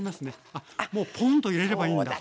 あもうポンッと入れればいいんだ。